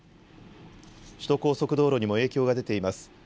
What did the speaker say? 首都高速道路にも影響が出ています。